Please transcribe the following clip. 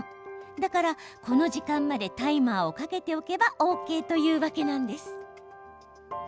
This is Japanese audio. だから、この時間までタイマーをかけておけばＯＫというわけなんです。